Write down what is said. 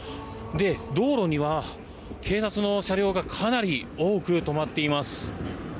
道路には警察の車両がかなり多く止まっています。